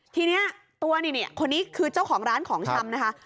ทีนี้ตัวนี่คนนี้คือเจ้าของร้านของชำนะคะ